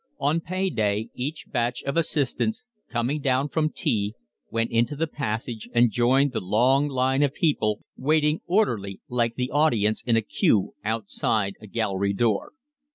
On pay day each batch of assistants, coming down from tea, went into the passage and joined the long line of people waiting orderly like the audience in a queue outside a gallery door.